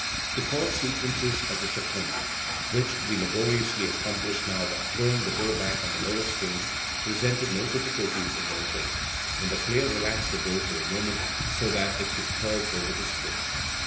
The chord sequences of the Chaconne, which we laboriously accomplish now by throwing the bow back on the lower strings, presented no difficulties in those days, when the player relaxed the bow for a moment so that it could curve over the strings.